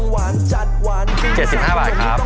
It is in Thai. ๗๕บาทครับ